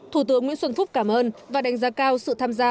thủ tướng nguyễn xuân phúc cảm ơn và đánh giá cao sự tham gia